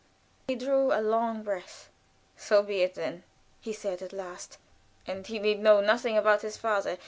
He drew a long breath. "So be it, then," said he, at last. "And he need know nothing about his father.